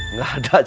enggak ada cek